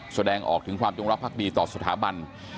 แสดงออกถึงความจงรักภักดีต่อสถาบัน